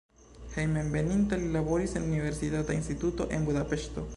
Hejmenveninta li laboris en universitata instituto en Budapeŝto.